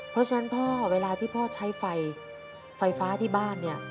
เพราะฉะนั้นเวลาที่พ่อใช้ไฟฟ้าที่บ้าน